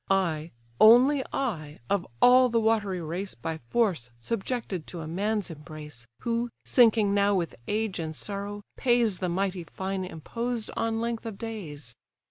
I, only I, of all the watery race By force subjected to a man's embrace, Who, sinking now with age and sorrow, pays The mighty fine imposed on length of days.